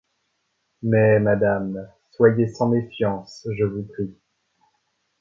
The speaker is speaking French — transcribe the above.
Mais, madame, soyez sans méfiance, je vous prie.